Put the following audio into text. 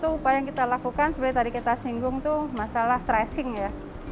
salah satu upaya yang kita lakukan sebelah tadi kita singgung itu masalah tracing ya